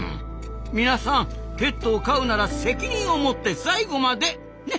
みなさんペットを飼うなら責任を持って最後まで！ね。